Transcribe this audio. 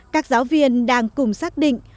các giáo viên đang cùng xác định